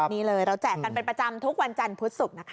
นี่เลยเราแจกกันเป็นประจำทุกวันจันทร์พุธศุกร์นะคะ